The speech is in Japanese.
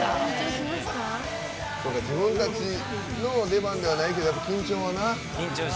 自分たちの出番ではないけど緊張はな。